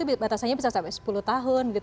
batasannya bisa sampai sepuluh tahun